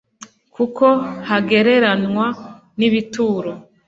kuko hagereranwa n'ibituro